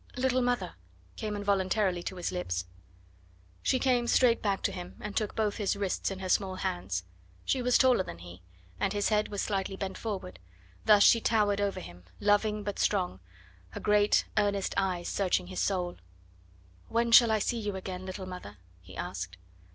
"Little mother," came involuntarily to his lips. She came straight back to him and took both his wrists in her small hands. She was taller than he, and his head was slightly bent forward. Thus she towered over him, loving but strong, her great, earnest eyes searching his soul. "When shall I see you again, little mother?" he asked.